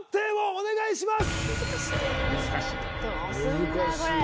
お願いします